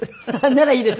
「ならいいです」？